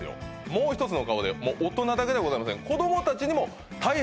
もうひとつの顔で大人だけではございませんせやろな